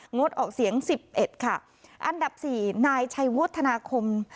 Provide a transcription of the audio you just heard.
งดออกเสียงสิบเอ็ดค่ะอันดับสี่นายชัยวุฒนาคม